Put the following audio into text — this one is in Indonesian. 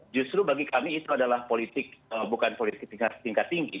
justru bagi kami itu adalah politik bukan politik tingkat tinggi